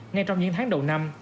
ngay trong những tháng đầu năm